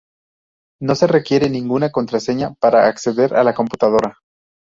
No se requiere ninguna contraseña para acceder a la computadora.